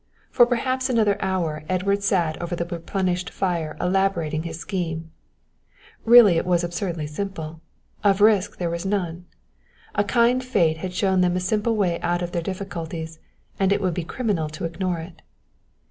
For perhaps another hour Edward sat over the replenished fire elaborating his scheme. Really it was absurdly simple; of risk there was none. A kind fate had shown them a simple way out of their difficulties, and it would be criminal to ignore it.